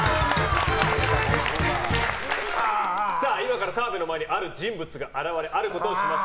今から澤部の前にある人物が現れあることをします。